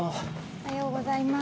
おはようございます。